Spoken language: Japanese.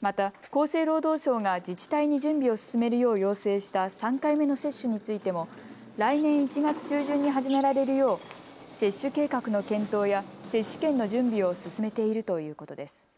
また厚生労働省が自治体に準備を進めるよう要請した３回目の接種についても来年１月中旬に始められるよう接種計画の検討や接種券の準備を進めているということです。